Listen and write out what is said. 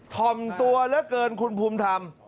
ถ่อมตัวเหลือเกินคุณภูมิธรรม